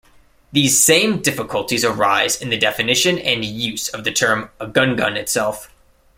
These same difficulties arise in the definition and use of the term Egungun itself.